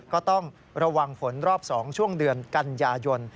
ก็ต้องระวังฝนรอบ๒ช่วงเดือนกันยายน